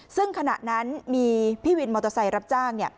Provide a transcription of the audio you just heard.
ซึ่งขณะนั้นมีพี่วินมอเตอร์ไซค์รับจ้าง